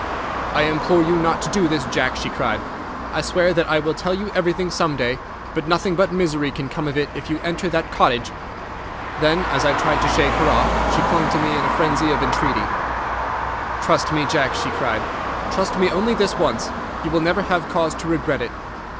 "'I implore you not to do this, Jack,' she cried. 'I swear that I will tell you everything some day, but nothing but misery can come of it if you enter that cottage.' Then, as I tried to shake her off, she clung to me in a frenzy of entreaty. "'Trust me, Jack!' she cried. 'Trust me only this once. You will never have cause to regret it.